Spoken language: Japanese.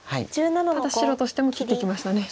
ただ白としても切ってきましたね。